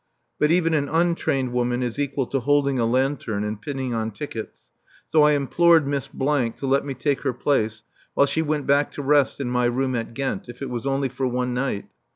But even an untrained woman is equal to holding a lantern and pinning on tickets, so I implored Miss to let me take her place while she went back to rest in my room at Ghent, if it was only for one night.